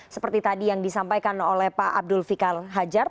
seperti tadi yang disampaikan oleh pak abdul fikal hajar